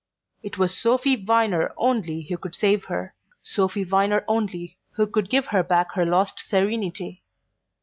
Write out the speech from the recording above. It was Sophy Viner only who could save her Sophy Viner only who could give her back her lost serenity.